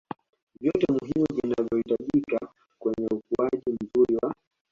vyote muhimu vinavyohitajika kwenye ukuaji mzuri wa